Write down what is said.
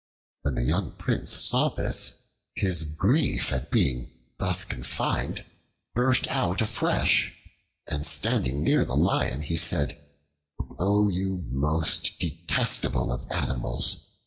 When the young Prince saw this, his grief at being thus confined burst out afresh, and, standing near the lion, he said: "O you most detestable of animals!